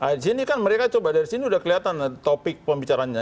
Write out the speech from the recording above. di sini kan mereka coba dari sini udah kelihatan topik pembicaranya